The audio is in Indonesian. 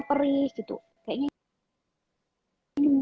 perih gitu kayaknya